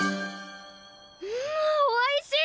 んおいしい！